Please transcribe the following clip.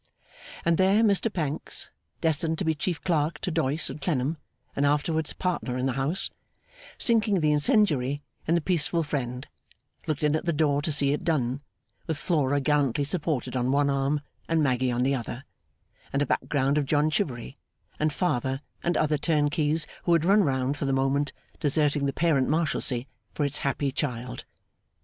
And there, Mr Pancks, (destined to be chief clerk to Doyce and Clennam, and afterwards partner in the house), sinking the Incendiary in the peaceful friend, looked in at the door to see it done, with Flora gallantly supported on one arm and Maggy on the other, and a back ground of John Chivery and father and other turnkeys who had run round for the moment, deserting the parent Marshalsea for its happy child.